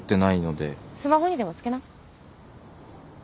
スマホにでもつけな。